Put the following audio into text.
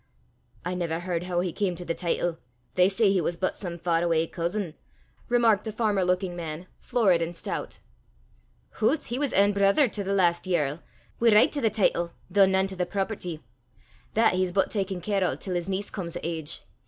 "I never h'ard hoo he cam to the teetle: they say he was but some far awa' cousin!" remarked a farmer looking man, florid and stout. "Hoots! he was ain brither to the last yerl, wi' richt to the teetle, though nane to the property. That he's but takin' care o' till his niece come o' age.